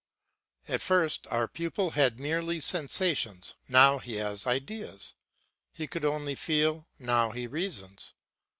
At first our pupil had merely sensations, now he has ideas; he could only feel, now he reasons.